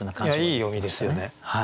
いい読みですよね。